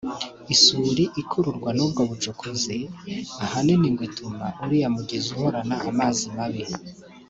isuri ikururwa n’ubwo bucukuzi ahanini ngo ituma uriya mugezi uhorana amazi mabi